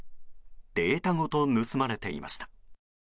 データごと盗まれていました。